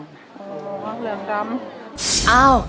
อ๋อเหลืองดำ